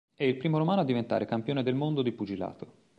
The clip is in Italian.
È il primo romano a diventare campione del mondo di pugilato.